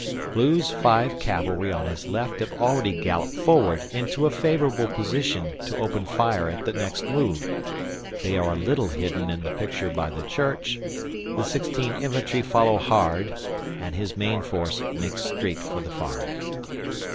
Blue's five cavalry on his left have already galloped forward into a favourable position to open fire at the next move they are a little hidden in the picture by the church; the sixteen infantry follow hard, and his main force makes straight for the farm.